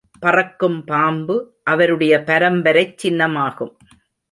பறக்கும் பாம்பு, அவருடைய பரம்பரைச் சின்னமாகும்.